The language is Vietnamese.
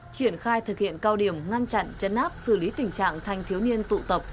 triển khai thực hiện cao điểm ngăn chặn chân áp xử lý tình trạng thành thiếu niên tụ tập